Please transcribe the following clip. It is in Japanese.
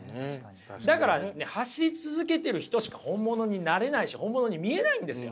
だから走り続けてる人しか本物になれないし本物に見えないんですよ。